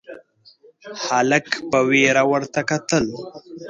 هلک په وېره ورته کتل: